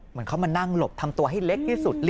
เหมือนเขามานั่งหลบทำตัวให้เล็กที่สุด